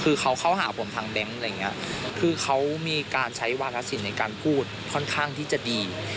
คือเขาเข้าหาผมทางแบงค์เขามีการใช้วารัสสินในการพูดค่อนข้างที่จะดี